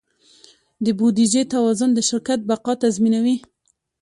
د بودیجې توازن د شرکت بقا تضمینوي.